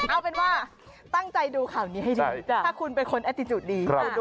เอาเป็นว่าตั้งใจดูข่าวนี้ให้ดีถ้าคุณเป็นคนแอติจุดดี